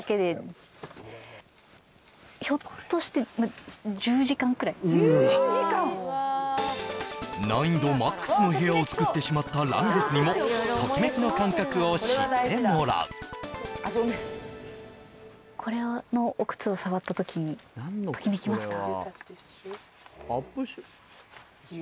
ひょっとしてうわ難易度ＭＡＸの部屋をつくってしまったラミレスにもときめきの感覚を知ってもらうこのお靴を触った時にときめきますか？